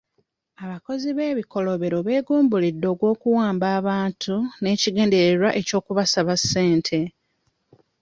Abakozi b'ebikolobero beegumbulidde ogw'okuwamba abantu n'ekigendererwa eky'okusaba ssente.